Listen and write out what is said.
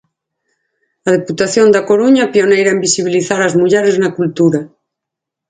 'A Deputación da Coruña, pioneira en visibilizar as mulleres na cultura'.